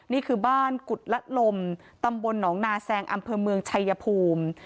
นี่คือบ้านกุฎละลมตำบลหนองนาแซงอำเภอเมืองชัยภูมิ